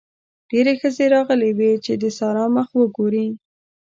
ډېرې ښځې راغلې وې چې د سارا مخ وګوري.